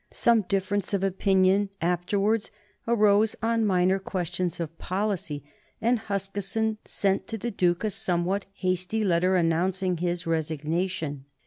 Some difference of opinion afterwards arose on minor questions of policy, and Huskisson sent to the Duke a somewhat hasty letter announcing his resignation.